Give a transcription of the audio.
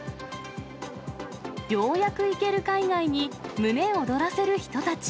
ようやく行ける海外に胸を躍らせる人たち。